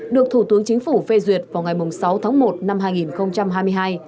được thủ tướng chính phủ phê duyệt vào ngày sáu tháng một năm hai nghìn hai mươi hai